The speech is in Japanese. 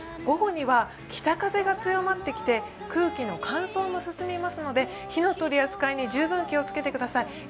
午後には北風が強まってきて空気の乾燥も進みますので、火の取り扱いに十分気をつけてください。